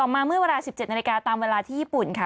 มาเมื่อเวลา๑๗นาฬิกาตามเวลาที่ญี่ปุ่นค่ะ